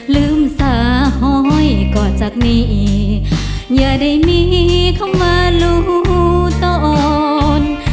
ลืมสาหอยก่อนจากนี้อย่าได้มีคำว่าหลู่ตน